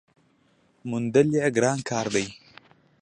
موندل یې ګران کار دی .